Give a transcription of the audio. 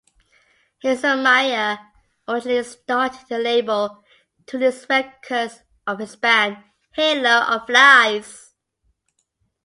Hazelmyer originally started the label to release records by his band, Halo of Flies.